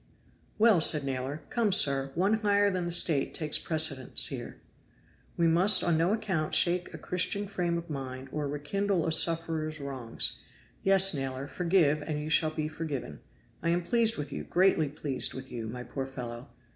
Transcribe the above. "Well said, Naylor. Come, sir, One higher than the State takes precedence here. We must on no account shake a Christian frame of mind or rekindle a sufferer's wrongs. Yes, Naylor, forgive and you shall be forgiven. I am pleased with you, greatly pleased with you, my poor fellow.